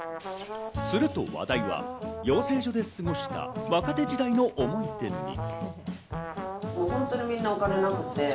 すると、話題は養成所で過ごした若手時代の思い出に。